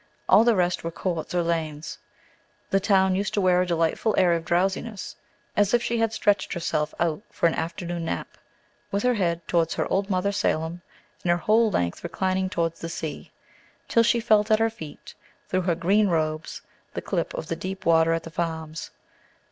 All the rest were courts or lanes. The town used to wear a delightful air of drowsiness, as if she had stretched herself out for an afternoon nap, with her head towards her old mother, Salem, and her whole length reclining towards the sea, till she felt at her feet, through her green robes, the clip of the deep water at the Farms.